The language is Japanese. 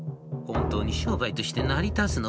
「本当に商売として成り立つのかね？」。